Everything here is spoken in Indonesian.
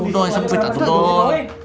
doi sempit atuh doi